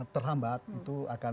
terhambat itu akan